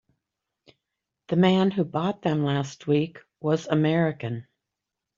The man who bought them last week was American.